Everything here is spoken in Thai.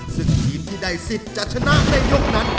ซึ่งทีมที่ได้สิทธิ์จะชนะในยกนั้น